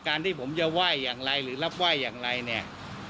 ที่ผมจะไหว้อย่างไรหรือรับไหว้อย่างไรเนี่ย